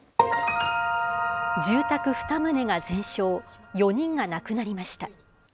住宅２棟が全焼、４人が亡くなりました。